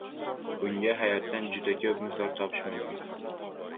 Bunga hayotdan juda koʻp misol topish mumkin.